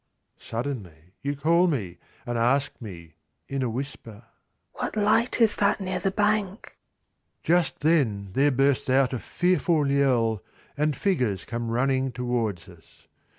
Suddenly you call me and ask me in a whisper, "What light is that near the bank?" Just then there bursts out a fearful yell, and figures come running towards us.